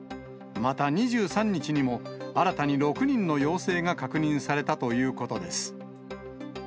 また２３日にも、新たに６人の陽性が確認されたということです。